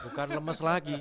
bukan lemes lagi